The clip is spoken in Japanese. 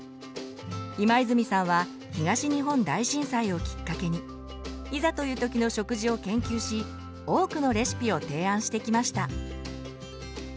今泉さんは東日本大震災をきっかけにいざという時の食事を研究し多くのレシピを提案してきました。